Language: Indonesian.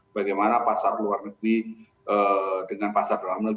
bagaimana pasar luar negeri dengan pasar dalam negeri